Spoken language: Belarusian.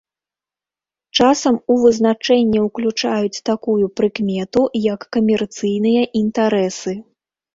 Часам у вызначэнне ўключаюць такую прыкмету, як камерцыйныя інтарэсы.